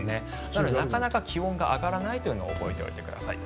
なので、なかなか気温が上がらないということを覚えておいてください。